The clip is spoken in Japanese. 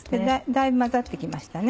だいぶ混ざって来ました。